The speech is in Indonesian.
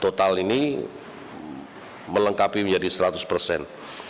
total ini melengkapi menjadi seratus persen